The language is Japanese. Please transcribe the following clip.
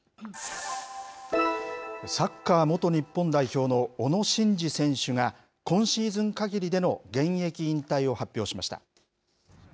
サッカー元日本代表の小野伸二選手が、今シーズンかぎりでの現役引退を発表しました。